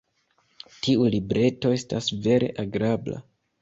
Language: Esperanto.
Tiu libreto estas vere agrabla.